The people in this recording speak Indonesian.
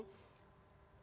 satu secara berkata